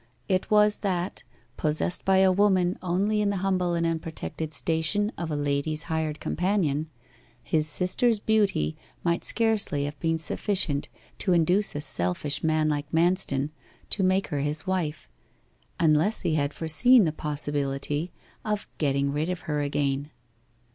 It was that, possessed by a woman only in the humble and unprotected station of a lady's hired companion, his sister's beauty might scarcely have been sufficient to induce a selfish man like Manston to make her his wife, unless he had foreseen the possibility of getting rid of her again.